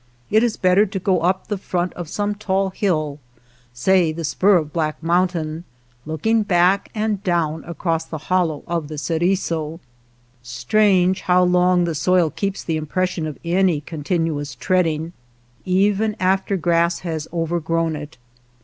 It is better to go up the front of some tall hill, say the spur of Black Moun tain, looking back and down across the hollow of the Ceriso. Strange how long the soil keeps the impression of any con tinuous treading, even after grass has over grown it.